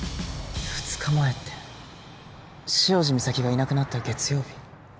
２日前って潮路岬がいなくなった月曜日。